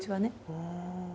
うん。